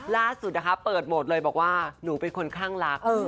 ล่าสุดนะคะเปิดโหมดเลยบอกว่าหนูเป็นคนคลั่งรัก